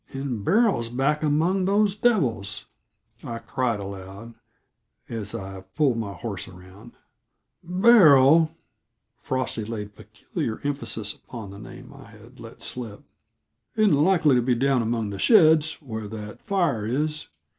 "And Beryl's back among those devils!" I cried aloud, as I pulled my horse around. "Beryl" Frosty laid peculiar stress upon the name I had let slip "isn't likely to be down among the sheds, where that fire is.